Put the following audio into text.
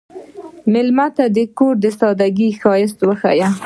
مېلمه ته د کور د سادګۍ ښایست وښیه.